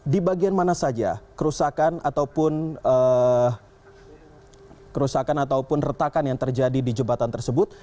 di bagian mana saja kerusakan ataupun retakan yang terjadi di jebatan tersebut